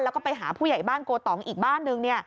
แล้วก็ไปหาผู้ใหญ่บ้านโกตองอีกบ้านนึง